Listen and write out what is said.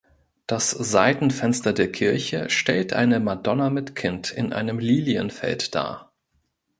Das Seitenfenster der Kirche stellt eine Madonna mit Kind in einem Lilienfeld dar.